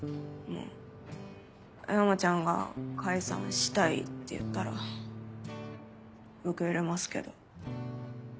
山ちゃんが「解散したい」って言ったら受け入れますけど。